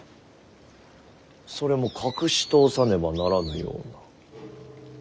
それも隠し通さねばならぬような。